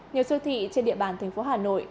nhiều siêu thị trên địa bàn tp hcm